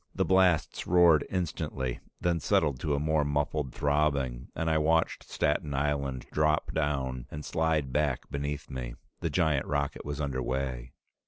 The blasts roared instantly, then settled to a more muffled throbbing, and I watched Staten Island drop down and slide back beneath me. The giant rocket was under way.